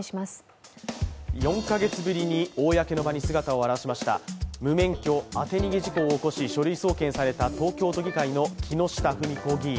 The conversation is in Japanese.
４カ月ぶりに公の場に姿を現しました無免許当て逃げ事故を起こした木下富美子東京都議会議員。